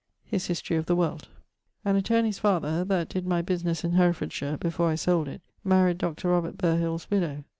<_His 'History of the World.'_> An attorney's father (that did my businesse in Herefordshire, before I sold it) maryed Dr. Burhill's widdowe.